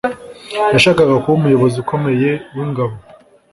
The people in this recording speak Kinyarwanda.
Yashakaga kuba umuyobozi ukomeye wingabo